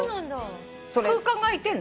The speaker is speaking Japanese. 空間があいてんの？